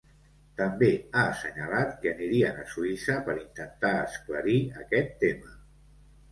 També ha assenyalat que anirien a Suïssa per intentar esclarir aquest tema.